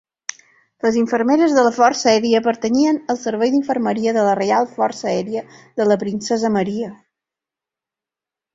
Les infermeres de la Força Aèria pertanyien a el Servei d'Infermeria de la Reial Força Aèria de la Princesa Maria.